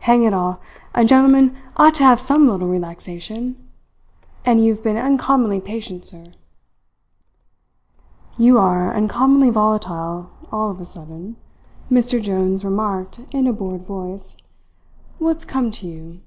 Hang it all, a gentleman ought to have some little relaxation! And you have been uncommonly patient, sir." "You are uncommonly volatile all of a sudden," Mr. Jones remarked in a bored voice. "What's come to you?"